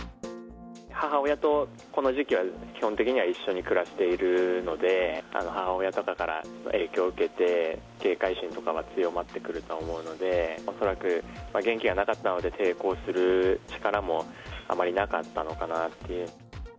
母親とこの時期は基本的には一緒に暮らしているので、母親とかから影響を受けて、警戒心とかは強まってくると思うので、恐らく、元気がなかったので抵抗する力もあまりなかったのかなという。